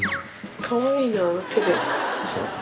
かわいいな手で。